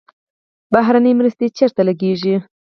بهرنۍ مرستې چیرته لګیږي؟